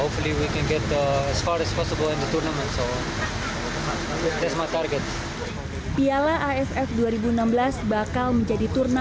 piala aff dua ribu enam belas bakal menjadi turna